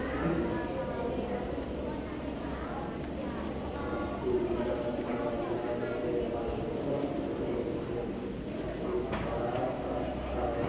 สวัสดีครับสวัสดีครับ